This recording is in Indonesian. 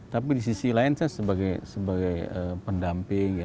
tapi di sisi lain saya sebagai pendamping ya